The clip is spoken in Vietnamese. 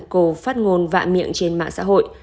cô phát ngôn vạ miệng trên mạng xã hội